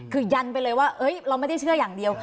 คือยันไปเลยว่าเราไม่ได้เชื่ออย่างเดียว